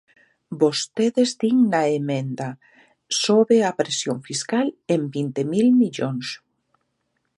Vostedes din na emenda: sobe a presión fiscal en vinte mil millóns.